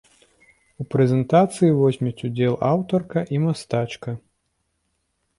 У прэзентацыі возьмуць удзел аўтарка і мастачка.